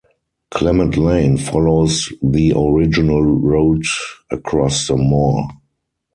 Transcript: Clement Lane follows the original route across the moor.